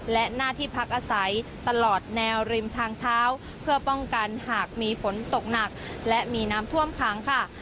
และหน้าที่พักอาศัยตลอดแนวริมทางเท้าเพื่อป้องกันหากมีฝนตกหนักและมีน้ำท่วมขังค่ะ